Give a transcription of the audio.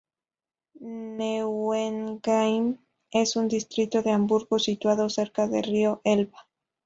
Neuengamme es un distrito de Hamburgo situado cerca de río Elba.